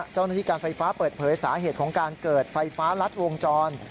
เจ้าหน้าที่การไฟฟ้าเปิดเผยสาเหตุของการเกิดไฟฟ้ารัดวงจร